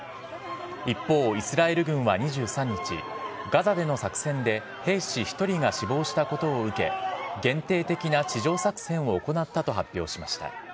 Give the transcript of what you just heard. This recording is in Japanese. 一方、イスラエル軍は２３日、ガザでの作戦で兵士１人が死亡したことを受け、限定的な地上作戦を行ったと発表しました。